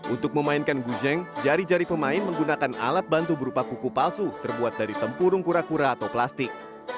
untuk memainkan guzeng jari jari pemain menggunakan alat bantu berupa kuku palsu terbuat dari tempurung kura kura atau plastik